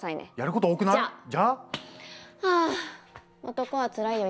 「男はつらいよ」